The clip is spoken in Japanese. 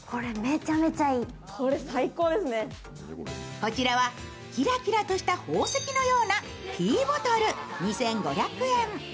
こちらはキラキラとした宝石のようなティーボトル２５００円。